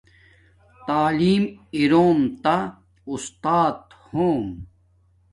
تعلیم اروم تا استات ہوم